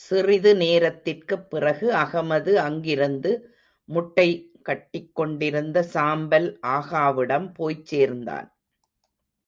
சிறிதுநேரத்திற்குப் பிறகு அகமது அங்கிருந்து, முட்டை கட்டிக் கொண்டிருந்த சாம்பல் ஆகாவிடம் போய்ச் சேர்ந்தான்.